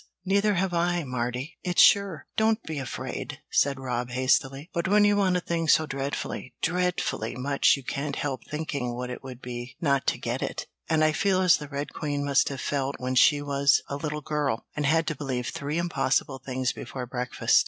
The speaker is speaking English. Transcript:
"Neither have I, Mardy, it's sure don't be afraid," said Rob, hastily. "But when you want a thing so dreadfully, dreadfully much you can't help thinking what it would be not to get it. And I feel as the Red Queen must have felt when she was a little girl, and had to believe three impossible things before breakfast.